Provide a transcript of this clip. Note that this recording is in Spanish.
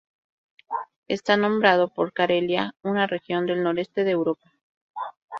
Está nombrado por Carelia, una región del noreste de Europa.